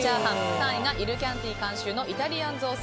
３位がイルキャンティ監修のイタリアン雑炊。